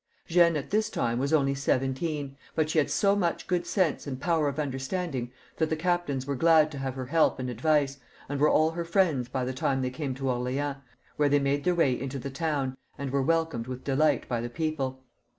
Jeanne at this time was only seventeen, but she had so much good sense and power of understanding, that the captains were glad to have her help and advice, and were all her friends by the time they came to Orleans, where they made their way into the town, and were welcomed with delight by the people.